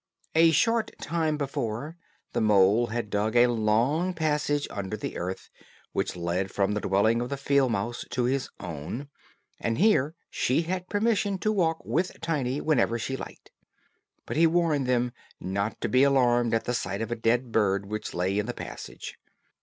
A short time before, the mole had dug a long passage under the earth, which led from the dwelling of the field mouse to his own, and here she had permission to walk with Tiny whenever she liked. But he warned them not to be alarmed at the sight of a dead bird which lay in the passage.